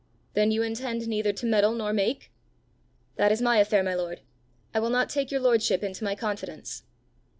"Then you intend neither to meddle nor make?" "That is my affair, my lord. I will not take your lordship into my confidence."